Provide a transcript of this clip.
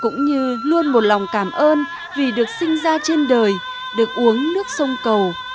cũng như luôn một lòng cảm ơn vì được sinh ra trên đời được uống nước sông cầu